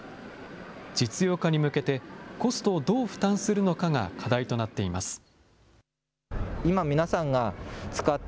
実用化に向けてコストをどう負担するのかが課題となっています。